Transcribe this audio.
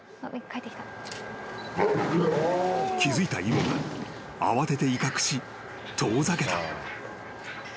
［気付いたイオが慌てて威嚇し遠ざけた］